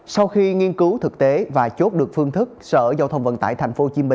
sau khi nghiên cứu thực tế và chốt được phương thức sở giao thông vận tải tp hcm